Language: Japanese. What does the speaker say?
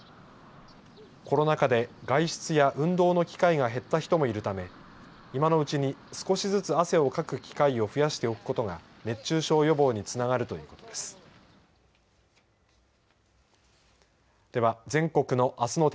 コロナ禍で外出や運動の機会が減った人もいるため今のうちに少しずつ汗をかく機会を増やしておくことが熱中症予防につながるということです。